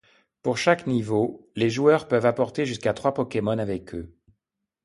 Pour chaque niveau, les joueurs peuvent apporter jusqu'à trois Pokémon avec eux.